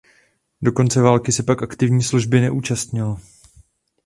Do konce války se pak aktivní služby neúčastnil.